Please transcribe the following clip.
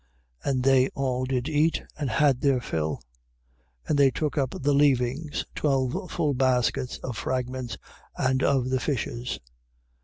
6:42. And they all did eat, and had their fill. 6:43. And they took up the leavings, twelve full baskets of fragments, and of the fishes.